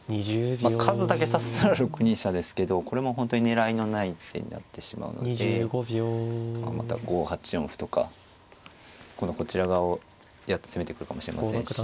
数だけ足すなら６二飛車ですけどこれも本当に狙いのない一手になってしまうのでまた８四歩とか今度こちら側を攻めてくるかもしれませんし。